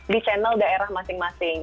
di channel daerah masing masing